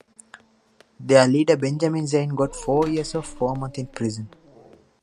Their leader Benjamin Zein got four years and four months in prison.